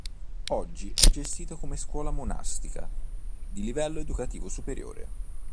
Oggi è gestito come scuola monastica di livello educativo superiore.